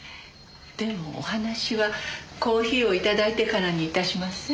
でもお話はコーヒーをいただいてからにいたしません？